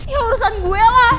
ya urusan gue lah